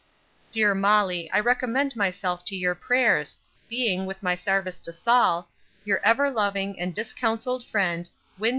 Dear Molly, I recommend myself to your prayers, being, with my sarvice to Saul, your ever loving, and discounselled friend, WIN.